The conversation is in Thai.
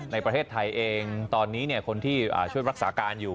ในประเทศไทยเองตอนนี้คนที่ช่วยรักษาการอยู่